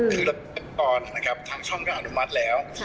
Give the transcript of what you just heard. คือทางช่องด้านนึงมัดแล้ว